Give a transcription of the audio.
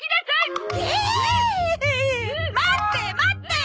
待って待って！